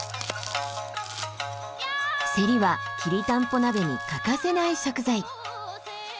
セリはきりたんぽ鍋に欠かせない食材。